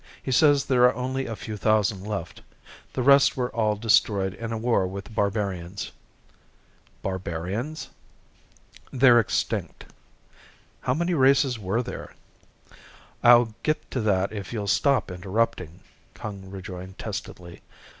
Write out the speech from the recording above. He says there are only a few thousand left. The rest were all destroyed in a war with the barbarians." "Barbarians?" "They're extinct." "How many races were there?" "I'll get to that if you'll stop interrupting," Kung rejoined testily.